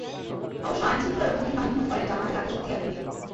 অবশ্য আইনশৃঙ্খলা রক্ষাকারী বাহিনী মনে করে, জামায়াতের আগের শক্তি এখন নেই।